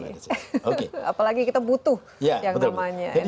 apalagi kita butuh yang namanya